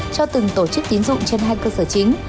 cho từng tổ chức tín dụng trên hai cơ sở chính